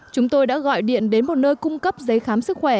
chúng tôi đã gọi điện đến một nơi cung cấp giấy khám sức khỏe